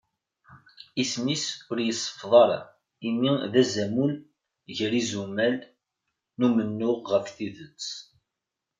Isem-is ur iseffeḍ ara imi d azamul gar yizumal n umennuɣ ɣef tidet.